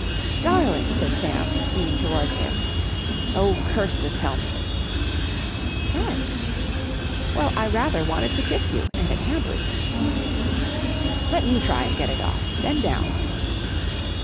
"Darling!" said Sam, leaning towards her. "Oh, curse this helmet!" "Why?" "Well, I rather wanted to kiss you and it hampers me." "Let me try and get it off. Bend down!"